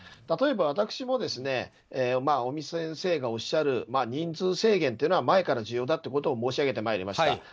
例えば、私も尾身先生がおっしゃる人数制限というのは前から重要だと申し上げてまいりました。